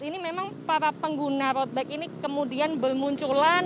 ini memang para pengguna road bike ini kemudian bermunculan